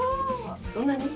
そんなに？